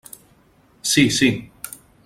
Sí, sí!